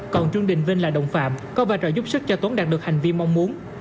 còn trương đình vinh là đồng phạm có vai trò giúp sức cho tốn đạt được hành vi mong muốn